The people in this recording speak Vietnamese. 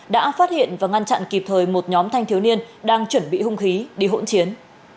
đã phát hiện và ngăn chặn kịp thời một nhóm thanh thiếu niên đang chuẩn bị hung khí đi hỗn chiến